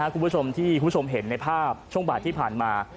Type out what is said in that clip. คุณผู้ชมเห็นในภาพช่วงบ่ายที่ผ่านมา